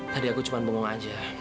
tadi aku cuma bingung aja